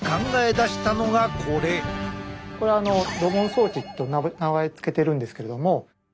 これドボン装置と名前付けてるんですけれども。